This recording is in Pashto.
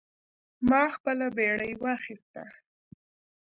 ما خپله بیړۍ واخیسته.